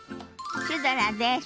シュドラです。